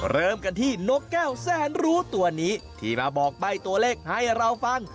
เริ่มกันที่นกแก้วแสนรู้ตัวนี้ที่มาบอกใบ้ตัวเลขให้เราฟัง